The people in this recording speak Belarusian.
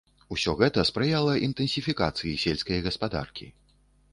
Усё гэта спрыяла інтэнсіфікацыі сельскай гаспадаркі.